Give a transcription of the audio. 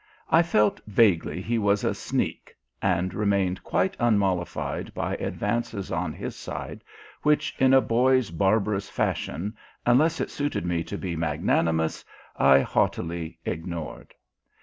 I felt vaguely he was a sneak, and remained quite unmollified by advances on his side, which, in a boy's barbarous fashion, unless it suited me to be magnanimous, I haughtily ignored.